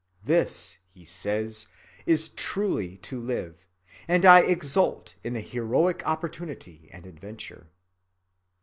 This, he says, is truly to live, and I exult in the heroic opportunity and adventure.